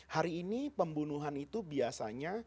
hari ini pembunuhan itu biasanya